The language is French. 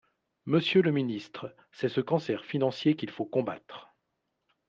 Monsieur le ministre, c’est ce cancer financier qu’il faut combattre.